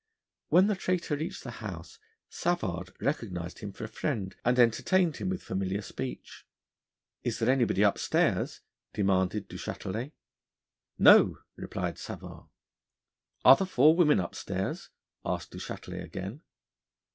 When the traitor reached the house, Savard recognised him for a friend, and entertained him with familiar speech. 'Is there anybody upstairs?' demanded Du Châtelet. 'No,' replied Savard. 'Are the four women upstairs?' asked Du Châtelet again.